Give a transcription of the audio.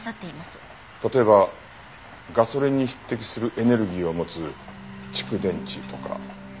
例えばガソリンに匹敵するエネルギーを持つ蓄電池とか。